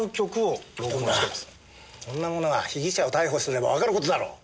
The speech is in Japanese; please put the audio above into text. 糸村そんなものは被疑者を逮捕すればわかる事だろ！